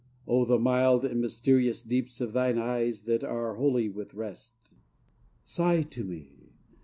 Oh, the mild and mysterious Deeps of thine eyes that are holy with rest! Sigh to me!